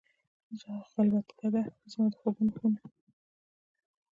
خلوتکده، زما د خوبونو خونه